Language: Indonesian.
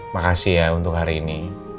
makasih ya untuk hari ini